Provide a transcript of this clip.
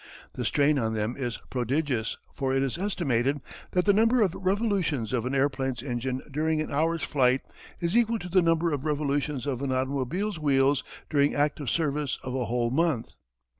The strain on them is prodigious for it is estimated that the number of revolutions of an airplane's engine during an hour's flight is equal to the number of revolutions of an automobile's wheels during active service of a whole month.